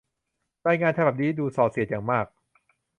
รายงานฉบับนี้ดูส่อเสียดอย่างมาก